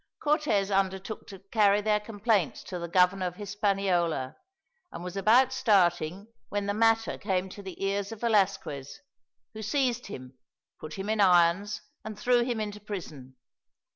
Cortez undertook to carry their complaints to the Governor of Hispaniola, and was about starting when the matter came to the ears of Velasquez, who seized him, put him in irons, and threw him into prison.